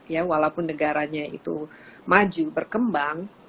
ya walaupun negaranya itu maju berkembang